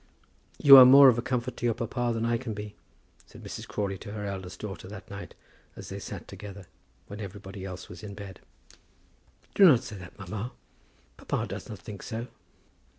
"You are more of a comfort to your papa than I can be," said Mrs. Crawley to her eldest daughter that night as they sat together, when everybody else was in bed. "Do not say that, mamma. Papa does not think so."